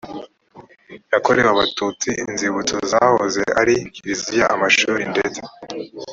yakorewe abatutsi inzibutso zahoze ari kiliziya amashuri ndetse